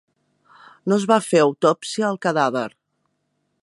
No es va fer autòpsia al cadàver.